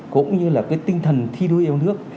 cũng như là cái tinh thần thi đua yêu nước